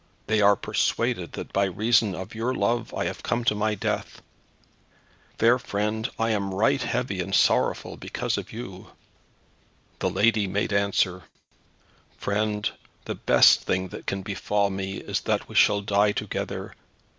They are persuaded that by reason of your love I have come to my death. Fair friend, I am right heavy and sorrowful because of you." The lady made answer, "Friend, the best thing that can befall me is that we shall die together.